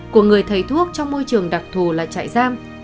của người thầy thuốc trong môi trường đặc thù là chạy giam